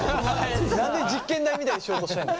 何で実験台みたいにしようとしてんの？